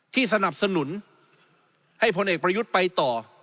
สนับสนุนให้พลเอกประยุทธ์ไปต่อ